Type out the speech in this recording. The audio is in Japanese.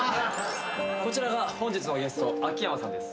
こちらが本日のゲスト秋山さんです。